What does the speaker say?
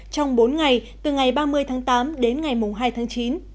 trong bốn ngày từ ngày ba mươi tháng tám đến ngày hai tháng chín